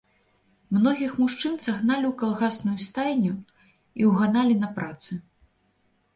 Многіх мужчын сагналі ў калгасную стайню і ўганалі на працы.